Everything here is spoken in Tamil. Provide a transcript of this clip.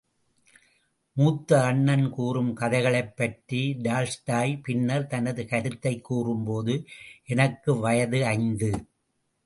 மூத்த அண்ணன் கூறும் கதைகளைப் பற்றி டால்ஸ்டாய் பின்னர், தனது கருத்தைக் கூறும் போது, எனக்கு வயது ஐந்து.